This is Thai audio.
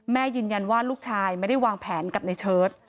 ยืนยันว่าลูกชายไม่ได้วางแผนกับในเชิด